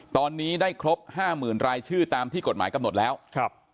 ตอนนี้ได้ครบห้าหมื่นรายชื่อตามที่กฎหมายกำหนดแล้วครับ